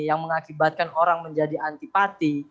yang mengakibatkan orang menjadi antipati